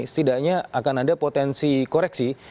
setidaknya akan ada potensi koreksi